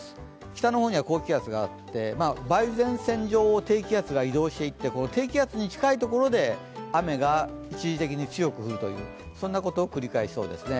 北の方には高気圧があって、梅雨前線上を低気圧が移動していって低気圧に近い所で雨が一時的に強く降るという、そんなことを繰り返しそうですね。